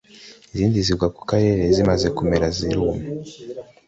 izindi zigwa ku kara zimaze kumera ziruma